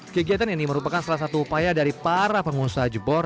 kegiatan ini merupakan salah satu upaya dari para pengusaha jebor